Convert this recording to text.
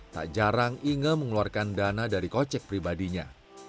tak jarang inge mengeluarkan dana dari kocek pribadinya